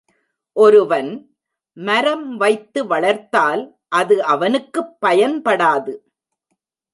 ஒருவன் மரம் வைத்து வளர்த்தால் அது அவனுக்குப் பயன்படாது.